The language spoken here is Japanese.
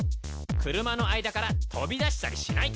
クルマの間から飛び出したりしない！